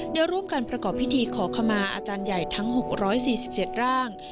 ได้ร่วมกันประกอบพิธีขอขมาอาจารย์ใหญ่ทั้ง๖๔๗ร่าง